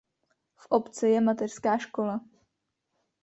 V obci je mateřská škola.